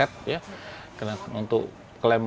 untuk klem tali pusat memang kami pakai yang sekali pakai langsung